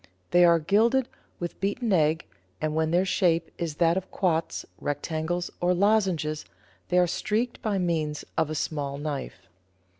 They are gilded with beaten egg, and when their shape is that of quoits, rectangles, or lozenges, they are streaked by means of a small knife.